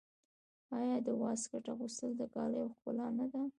آیا د واسکټ اغوستل د کالیو ښکلا نه ده؟